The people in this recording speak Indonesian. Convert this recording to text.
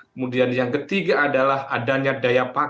kemudian yang ketiga adalah adanya daya pakai